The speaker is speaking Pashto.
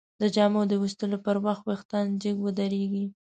د جامو د ویستلو پر وخت وېښتان جګ ودریږي.